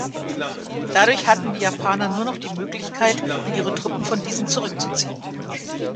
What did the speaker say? Dadurch hatten die Japaner nur noch die Möglichkeit, ihre Truppen von diesen zurückzuziehen.